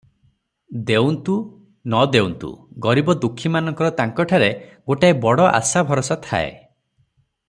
ଦେଉନ୍ତୁ ନ ଦେଉନ୍ତୁ, ଗରିବ ଦୁଃଖୀମାନଙ୍କର ତାଙ୍କଠାରେ ଗୋଟାଏ ବଡ଼ ଆଶା ଭରସା ଥାଏ ।